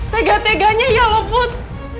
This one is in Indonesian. tega teganya ya lo put